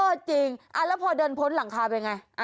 จริงแล้วพอเดินพ้นหลังคาเป็นไง